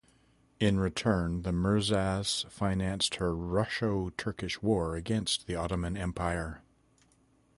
In return, the Mirzas financed her Russo-Turkish war against the Ottoman Empire.